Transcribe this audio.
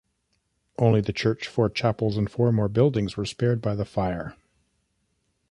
Only the church, four chapels and four more buildings were spared by the fire.